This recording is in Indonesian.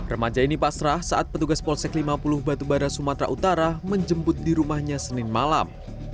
remaja ini pasrah saat petugas polsek lima puluh batubara sumatera utara menjemput di rumahnya senin malam